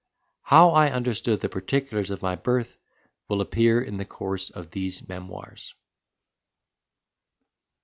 How I understood the particulars of my birth will appear in the course of these memoirs.